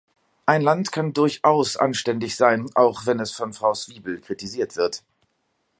Ein Land kann durchaus anständig sein, auch wenn es von Frau Swiebel kritisiert wird.